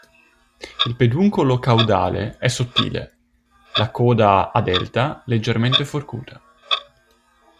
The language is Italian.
Il peduncolo caudale è sottile, la coda a delta, leggermente forcuta.